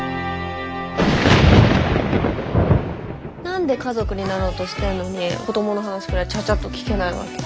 何で家族になろうとしてんのに子どもの話くらいちゃちゃっと聞けないわけ？